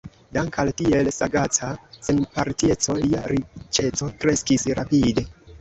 Dank' al tiel sagaca senpartieco, lia riĉeco kreskis rapide.